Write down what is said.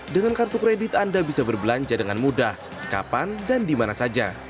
dengan kartu kredit anda bisa berbelanja dengan mudah kapan dan dimana saja